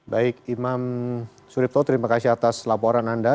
baik imam suripto terima kasih atas laporan anda